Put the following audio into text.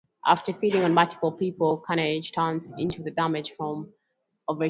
After feeding on multiple people, Carnage turns into a damaged form of Richard.